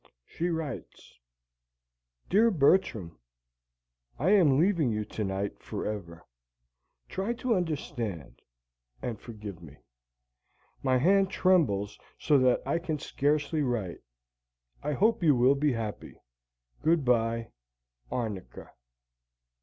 She writes: Dear Bertram: I am leaving you tonight for ever. Try to understand and forgive me. My hand trembles so that I can scarcely write. I hope you will be happy. Goodbye! Arnica.